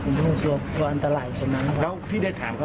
ก็มีเล็กน้อยเขาก็เล่าอยู่